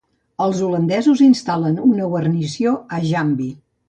Els holandesos instal·len una guarnició a Jambi.